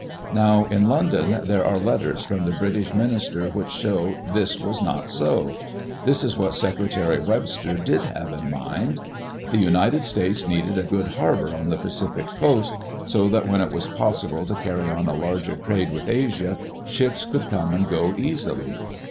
Now in London there are letters from the British min ister which show this was not so. This is what Secretary Webster did have in mind: The United States needed a good harbor on the Pacific coast, so that when it was possible to carry on a larger trade with Asia, ships could come and go easily.